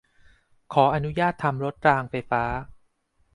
ขออนุญาตทำรถรางไฟฟ้า